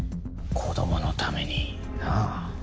子供のためになぁ。